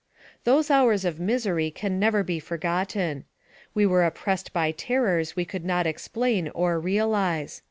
AMONG THE SIOUX INDIANS. 41 Those hours of misery can never be forgotten. "We were oppressed by terrors we could not explain or realize.